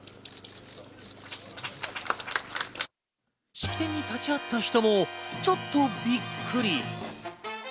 式典に立ち会った人もちょっとびっくり。